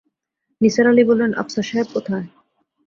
নিসার আলি বললেন, আফসার সাহেব কোথায়?